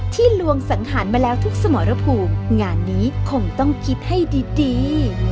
ลวงสังหารมาแล้วทุกสมรภูมิงานนี้คงต้องคิดให้ดี